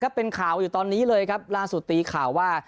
เป็นข่าวอยู่ตอนนี้เลยครับล่าสุดตีข่าวว่า